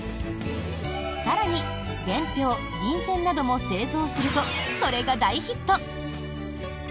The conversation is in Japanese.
更に伝票、便せんなども製造すると、それが大ヒット！